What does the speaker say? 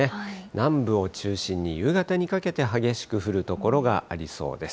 南部を中心に夕方にかけて、激しく降る所がありそうです。